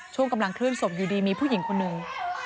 ช่วงกำลังเคลื่อนศพอยู่ดีมีผู้หญิงคนหนึ่ง